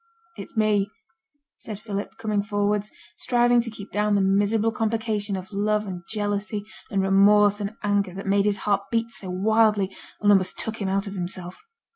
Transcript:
'It's me,' said Philip, coming forwards, striving to keep down the miserable complication of love and jealousy, and remorse and anger, that made his heart beat so wildly, and almost took him out of himself.